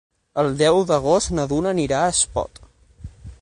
El deu d'agost na Duna anirà a Espot.